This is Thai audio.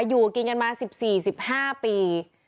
อยู่กินกันมา๑๔๑๕ปี